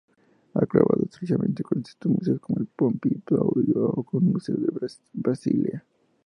Ha colaborado estrechamente con distintos museos, como el Pompidou o con museos de Basilea.